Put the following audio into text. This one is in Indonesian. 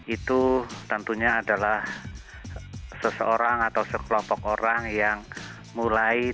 itu tentunya adalah seseorang atau sekelompok orang yang mulai